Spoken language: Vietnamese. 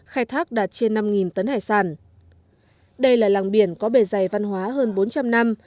khai thác đạt trên năm tấn hải sản đây là làng biển có bề dày văn hóa hơn bốn trăm linh năm